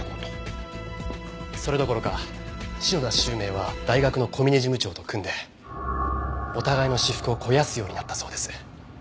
それどころか篠田周明は大学の小嶺事務長と組んでお互いの私腹を肥やすようになったそうです。